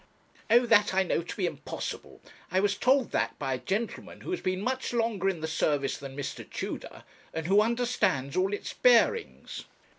'Oh, that I know to be impossible! I was told that by a gentleman who has been much longer in the service than Mr. Tudor, and who understands all its bearings.'